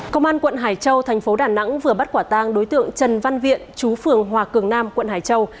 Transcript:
công an quận hải châu thành phố đà nẵng vừa bắt quả tang đối tượng trần văn viện chú phường hòa cường nam quận hải châu